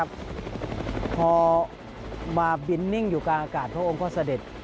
พอมาบินนิ่งอยู่กลางอากาศพระองค์ก็เสด็จ